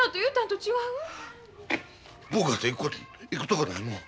僕かて行くとこないもん。